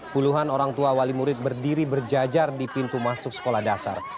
puluhan orang tua wali murid berdiri berjajar di pintu masuk sekolah dasar